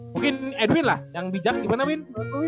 mungkin edwin lah yang bijak gimana win